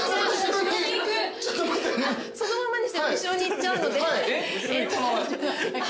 そのままにしてると後ろに行っちゃうので。